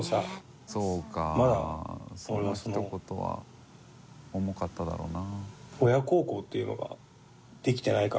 そうかそのひと言は重かっただろうな。